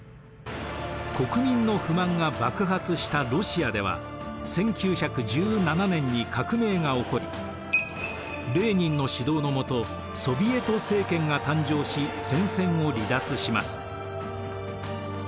国民の不満が爆発したロシアでは１９１７年に革命が起こりレーニンの指導の下ソヴィエト政権が誕生し戦線を離脱します。